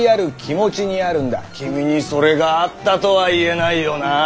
君にそれがあったとは言えないよなぁ。